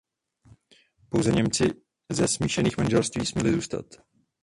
Pouze Němci ze smíšených manželství směli zůstat.